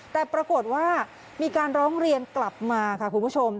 แต่ปรากฏว่ามีการร้องเรียนกลับมาค่ะคุณผู้ชม